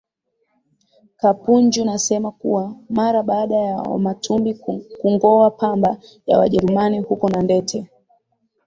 Kapunju nasema kuwa mara baada ya Wamatumbi kungoa pamba ya wajerumani huko Nandete